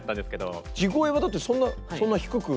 地声はだってそんなそんな低く。